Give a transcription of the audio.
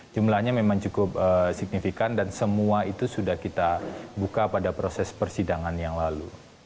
jumlahnya memang cukup signifikan dan semua itu sudah kita buka pada proses persidangan yang lalu